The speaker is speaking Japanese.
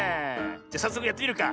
じゃさっそくやってみるか。